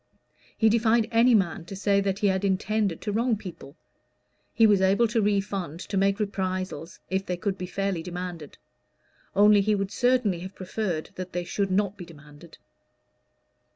He defied any man to say that he had intended to wrong people; he was able to refund, to make reprisals, if they could be fairly demanded. Only he would certainly have preferred that they should not be demanded.